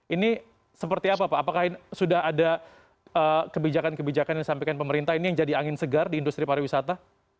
ini seperti apa pak apakah sudah ada kebijakan kebijakan yang disampaikan pemerintah ini yang jadi angin segar di industri pariwisata